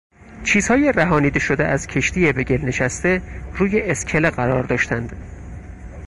چیزهای رهانیده شده از کشتی به گل نشسته روی اسکله قرار داشتند.